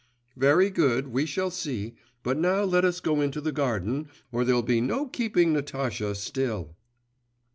'Very good, we shall see. But now let us go into the garden, or there'll be no keeping Natasha still.